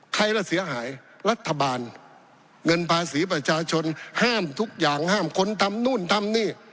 ใครล่ะเสียหายรัฐบาลเงินภาษีประชาชนห้ามทุกอย่างห้ามคนทำนู่นทำนี่